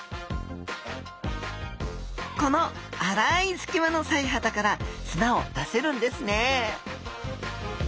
この粗い隙間の鰓耙だから砂を出せるんですね